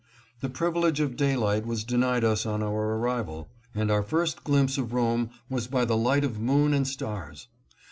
The privilege of daylight was denied us on our arrival, and our first glimpse of Rome was by the light of moon and stars.